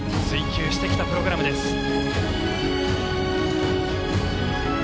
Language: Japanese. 追求してきたプログラムです。